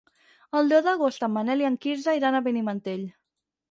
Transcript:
El deu d'agost en Manel i en Quirze iran a Benimantell.